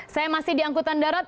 saya masih di angkutan darat